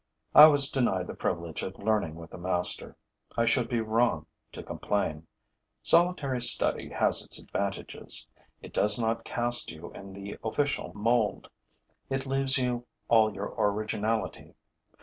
I was denied the privilege of learning with a master. I should be wrong to complain. Solitary study has its advantages: it does not cast you in the official mould; it leaves you all your originality.